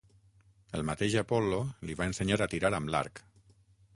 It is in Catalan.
El mateix Apol·lo li va ensenyar a tirar amb l'arc.